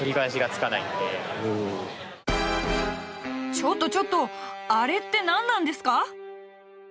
ちょっとちょっと「あれ」って何なんですか？